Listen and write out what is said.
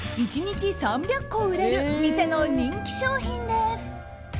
１日３００個売れる店の人気商品です。